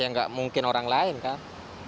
ya nggak mungkin orang lain kan